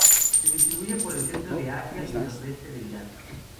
Se distribuye por el centro de Asia y nordeste de Irán.